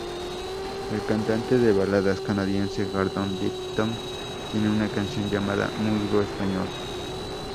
El cantante de baladas canadiense Gordon Lightfoot tiene una canción llamada "Musgo Español".